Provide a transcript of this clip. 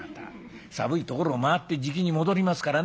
寒いところを回ってじきに戻りますからね。